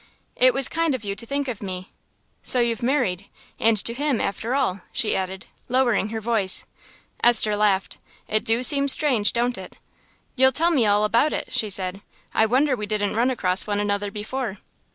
"It was kind of you to think of me. So you've married, and to him after all!" she added, lowering her voice. Esther laughed. "It do seem strange, don't it?" "You'll tell me all about it," she said. "I wonder we didn't run across one another before."